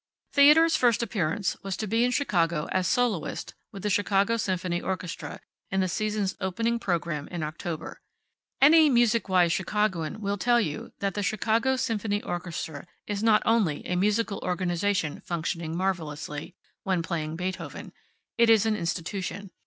Theodore's first appearance was to be in Chicago as soloist with the Chicago Symphony Orchestra, in the season's opening program in October. Any music wise Chicagoan will tell you that the Chicago Symphony Orchestra is not only a musical organization functioning marvelously (when playing Beethoven). It is an institution.